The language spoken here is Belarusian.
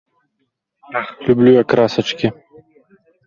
Ах, люблю я красачкі!